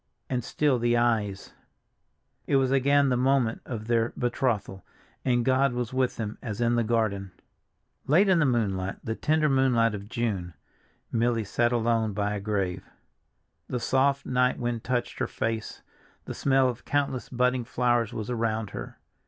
And still the eyes— It was again the moment of their betrothal, and God was with them as in the garden. LATE in the moonlight, the tender moonlight of June, Milly sat alone by a grave. The soft night wind touched her face, the smell of countless budding flowers was around her.